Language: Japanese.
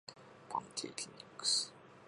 パンケーキミックス